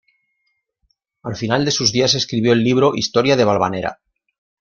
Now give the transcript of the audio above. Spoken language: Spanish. Al final de sus días escribió el libro "Historia de Valvanera".